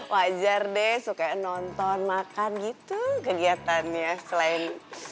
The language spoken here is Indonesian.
wajar deh suka nonton makan gitu kegiatannya selain